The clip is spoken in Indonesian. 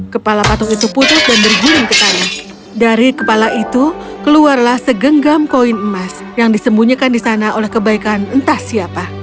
kepala patung itu putus dan berguling ke tanah dari kepala itu keluarlah segenggam koin emas yang disembunyikan di sana oleh kebaikan entah siapa